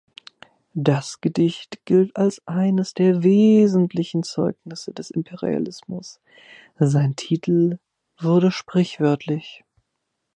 Das Gedicht gilt als eines der wesentlichen Zeugnisse des Imperialismus; sein Titel wurde sprichwörtlich.